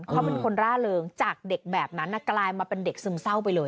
เขาเป็นคนร่าเริงจากเด็กแบบนั้นกลายมาเป็นเด็กซึมเศร้าไปเลย